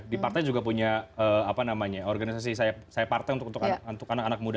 di partai juga punya organisasi saya partai untuk anak anak muda